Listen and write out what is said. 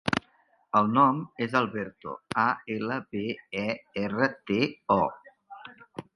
El nom és Alberto: a, ela, be, e, erra, te, o.